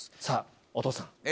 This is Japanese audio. さぁお父さん。